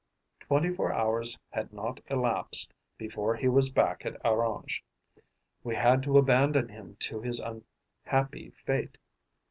Twenty four hours had not elapsed before he was back at Orange. We had to abandon him to his unhappy fate.